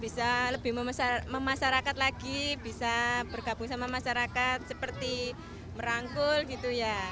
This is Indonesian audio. bisa lebih memasarakat lagi bisa bergabung sama masyarakat seperti merangkul gitu ya